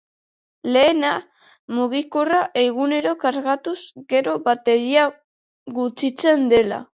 Lehena, mugikorra egunero kargatuz gero bateria gutxitzen dela.